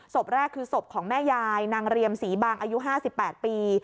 ศพแรกคือศพของแม่ยายนางเรียมศรีบางอายุ๕๘ปี